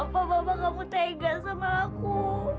kenapa bapak kamu tegas sama aku